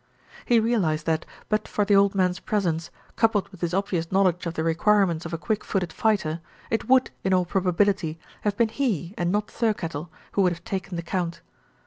He realised that, but for the old man's presence, coupled with his obvious knowl edge of the requirements of a quick footed fighter, it would, in all probability, have been he and not Thir kettle who would have taken the count.